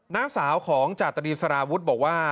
น้าสาวของจาตรีสารวุฒิบอกว่า